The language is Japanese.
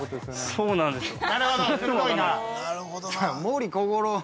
◆そうなんですよ。